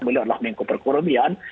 beliau adalah mengkuperkorobian